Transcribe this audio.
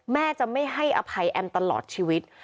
แม่จะไม่ให้อภัยแอมตลอดชีวิต